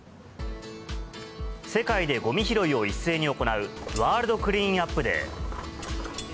世界でごみ拾いを一斉に行う、ワールドクリーンアップデー。